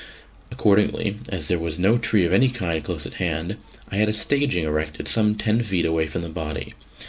Accordingly, as there was no tree of any kind close at hand, I had a staging erected some ten feet away from the body.